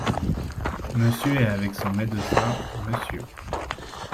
Monsieur est avec son médecin, Monsieur.